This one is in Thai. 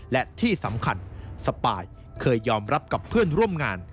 และที่สำคัญสปายเคยยอมรับกับเพื่อนร่วมงาน